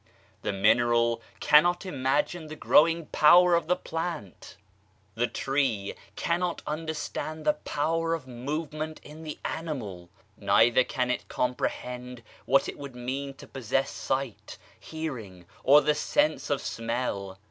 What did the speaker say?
The mineral cannot imagine the growing power of the plant. The 1 St. John xiv., n. 20 GOD COMPREHENDS ALL tree cannot understand the power of movement in the animal, neither can it comprehend what it would mean to possess sight, hearing or the sense of smell.